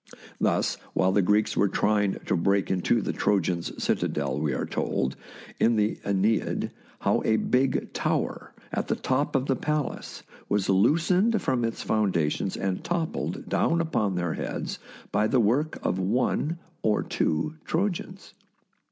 Thus, while the Greeks were trying to break into the Trojans' citadel, we are told, in the " iEneid," how a big tower on the top of the palace was loosened from its foundations and toppled down upon their heads by the work of one or two Trojans.